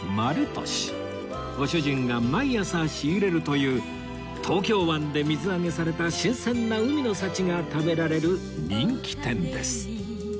ご主人が毎朝仕入れるという東京湾で水揚げされた新鮮な海の幸が食べられる人気店です